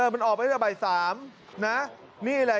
มันออกไปเมื่อบ่าย๓นี่แหละ